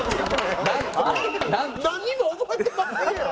なんにも覚えてませんやん！